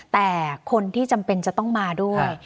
แต่คนที่จำเป็นจะต้องมาด้วย